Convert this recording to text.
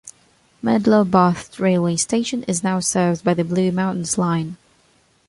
Medlow Bath railway station is now served by the Blue Mountains Line.